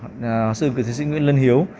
phó giáo sư tiến sĩ nguyễn lân hiếu